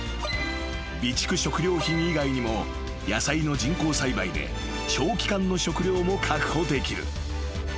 ［備蓄食料品以外にも野菜の人工栽培で長期間の食料も確保できる］